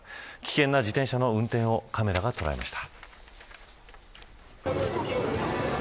危険な自転車の運転をカメラが捉えました。